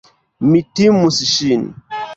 Mi timus ŝin.